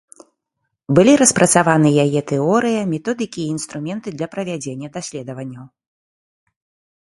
Былі распрацаваны яе тэорыя, методыкі і інструменты для правядзення даследаванняў.